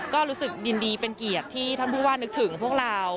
ก็รู้สึกยินดีเป็นเกียรติที่ท่านผู้ว่านึกถึงพวกเรา